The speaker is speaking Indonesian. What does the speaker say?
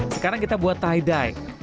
sekarang kita buat tie dye